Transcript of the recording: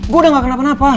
gue udah gak kenapa napa